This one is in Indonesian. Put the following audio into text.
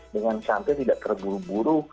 dengan cantik tidak terburu buru